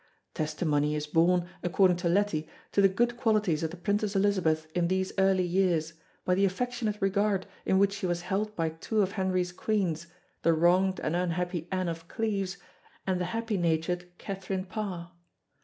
Testimony is borne according to Leti to the good qualities of the Princess Elizabeth in these early years, by the affectionate regard in which she was held by two of Henry's queens, the wronged and unhappy Anne of Cleves and the happy natured Catherine Parr.